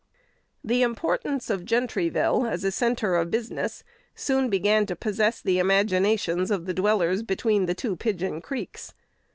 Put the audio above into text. The importance of Gentryville, as a "centre of business," soon began to possess the imaginations of the dwellers between the two Pigeon Creeks.